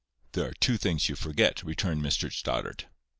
"There are two things you forget," returned Mr Stoddart.